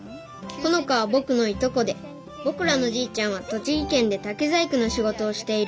ホノカはぼくのいとこでぼくらのじいちゃんは栃木県で竹細工のしごとをしている。